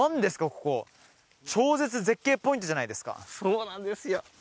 ここ超絶絶景ポイントじゃないですかそうなんですよ